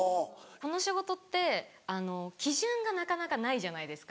この仕事って基準がなかなかないじゃないですか。